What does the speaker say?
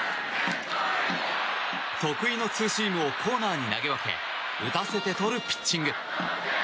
得意のツーシームをコーナーに投げ分け打たせてとるピッチング。